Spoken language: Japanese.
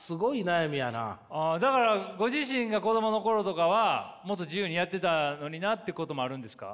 だからご自身が子供の頃とかはもっと自由にやってたのになってこともあるんですか？